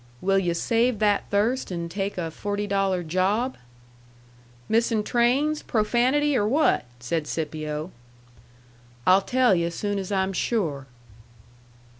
"Will yu' save that thirst and take a forty dollar job?" "Missin' trains, profanity, or what?" said Scipio. "I'll tell yu' soon as I'm sure."